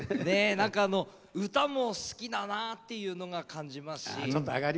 歌も好きだなっていうのが感じますし。